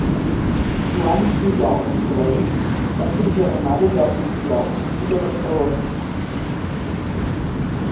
Joan Pujol i Soley va ser un germà de Jordi Pujol nascut a Barcelona.